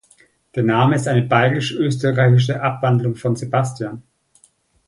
Der Name ist eine bayerisch-österreichische Abwandlung von Sebastian.